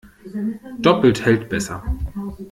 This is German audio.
Doppelt hält besser.